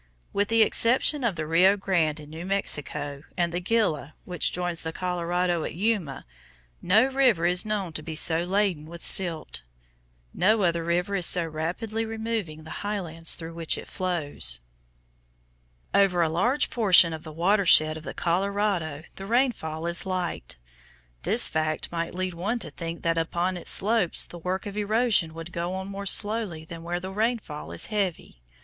With the exception of the Rio Grande in New Mexico, and the Gila, which joins the Colorado at Yuma, no other river is known to be so laden with silt. No other river is so rapidly removing the highlands through which it flows. [Illustration: FIG. 2. LOOKING DOWN THE COLORADO RIVER FROM ABOVE THE NEEDLES] Over a large portion of the watershed of the Colorado the rainfall is light. This fact might lead one to think that upon its slopes the work of erosion would go on more slowly than where the rainfall is heavy.